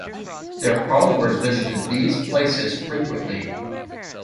Their followers visit these places frequently.